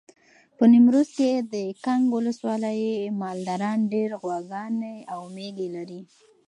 په نیمروز کې د کنگ ولسوالۍ مالداران ډېر غواګانې او مېږې لري.